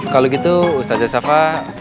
kalau gitu ustazah capa